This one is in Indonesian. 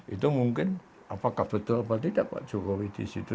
itu mungkin apakah betul atau tidak pak jokowi di situ